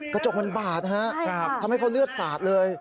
กระจกมันบาดฮะทำให้เขาเลือดสาดเลย